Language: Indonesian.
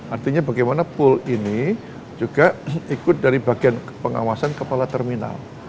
artinya bagaimana pool ini juga ikut dari bagian pengawasan kepala terminal